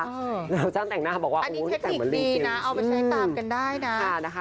เจ้าแต่งหน้าบอกว่าอันนี้เทคนิคดีนะเอามาใช้ตามกันได้นะ